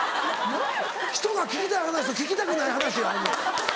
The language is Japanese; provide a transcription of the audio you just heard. ひとが聞きたい話と聞きたくない話があんねん！